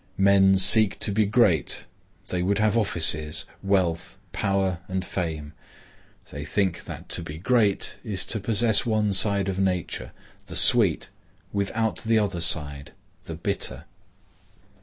Men seek to be great; they would have offices, wealth, power, and fame. They think that to be great is to possess one side of nature,—the sweet, without the other side, the bitter.